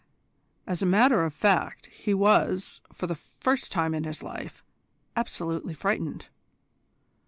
As a matter of fact, he was, for the first time in his life, absolutely frightened.